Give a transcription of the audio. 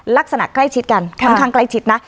ลักษณะใกล้ชิดกันค่อนข้างใกล้ชิดนะ